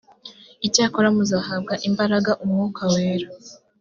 icyakora muzahabwa imbaraga umwuka wera